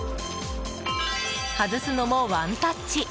外すのもワンタッチ。